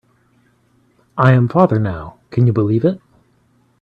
I am father now, can you believe it?